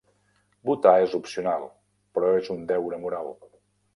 Votar és opcional, però és un deure moral.